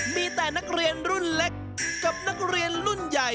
มีแต่นักเรียนรุ่นเล็กกับนักเรียนรุ่นใหญ่